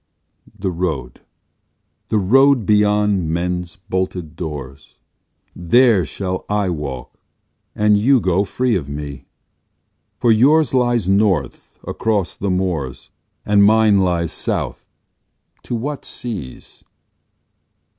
The road, the road, beyond men's bolted doors, There shall I walk and you go free of me, For yours lies North across the moors, And mine lies South. To what seas?